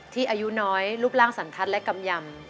ที่อายุน้อยรูปร่างสังคัตและกรรมยำ